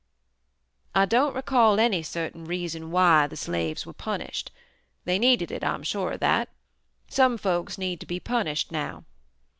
"I don't recall any certain reason why the slaves were punished; they needed it, I'm sure of that. Some folks need to be punished now.